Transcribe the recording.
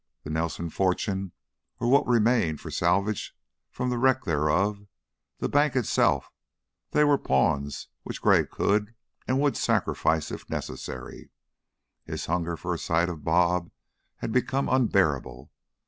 The Nelson fortune, or what remained for salvage from the wreck thereof, the bank itself, they were pawns which Gray could, and would, sacrifice, if necessary. His hunger for a sight of "Bob" had become unbearable.